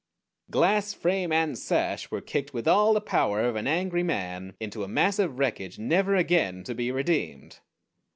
Glass, frame, and sash were kicked with all the power of an angry man into a mass of wreckage never again to be redeemed.